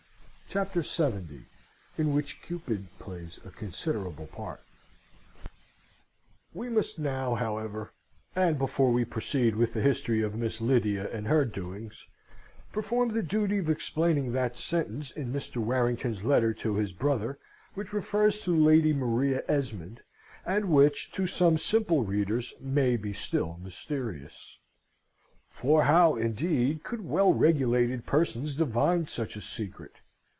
CHAPTER LXX. In which Cupid plays a Considerable Part We must now, however, and before we proceed with the history of Miss Lydia and her doings, perform the duty of explaining that sentence in Mr. Warrington's letter to his brother which refers to Lady Maria Esmond, and which, to some simple readers, may be still mysterious. For how, indeed, could well regulated persons divine such a secret?